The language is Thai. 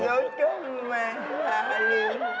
เล่าข้อมูลอย่างนี้สิ